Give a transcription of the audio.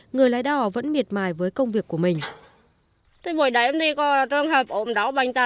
người lái đò vẫn miệt mài với công việc của mình